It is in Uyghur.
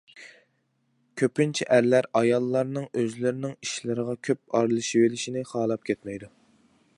كۆپىنچە ئەرلەر ئاياللارنىڭ ئۆزلىرىنىڭ ئىشلىرىغا كۆپ ئارىلىشىۋېلىشىنى خالاپ كەتمەيدۇ.